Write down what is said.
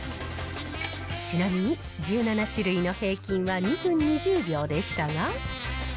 ちなみに１７種類の平均は２分２０秒でしたが。